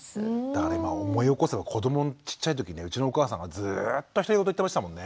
だから今思い起こせば子どもちっちゃい時うちのお母さんがずっと独り言言ってましたもんね。